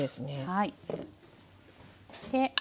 はい。